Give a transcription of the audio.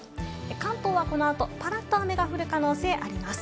関東は、この後パラッと雨が降る可能性があります。